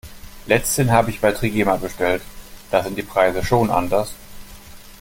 Letzthin habe ich bei Trigema bestellt, da sind die Preise schon anders.